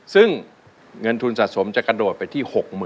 ซึ่งเงินทุนสะสมจะกระโดดไปที่๖๐๐๐